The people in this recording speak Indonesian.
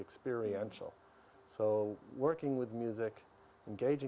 dengan yang saya berkahwin dengan